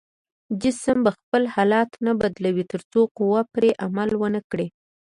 جسم به خپل حالت نه بدلوي تر څو قوه پرې عمل ونه کړي.